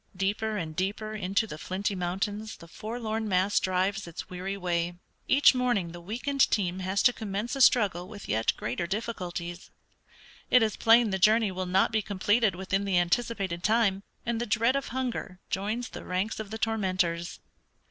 "Deeper and deeper into the flinty mountains the forlorn mass drives its weary way. Each morning the weakened team has to commence a struggle with yet greater difficulties. It is plain the journey will not be completed within the anticipated time, and the dread of hunger joins the ranks of the tormentors....